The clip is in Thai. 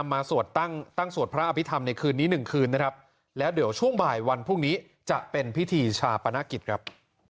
ไม่เคยกลัวผมนะครับแต่ว่าผมไม่ได้ทำอะไรแบบนี้